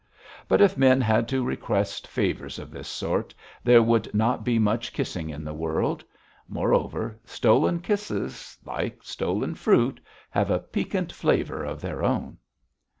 But if men had to request favours of this sort, there would not be much kissing in the world. Moreover, stolen kisses, like stolen fruit, have a piquant flavour of their own.